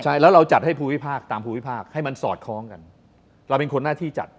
ใช่แล้วเราจัดให้ภูมิภาคตามภูมิภาคให้มันสอดคล้องกันเราเป็นคนหน้าที่จัด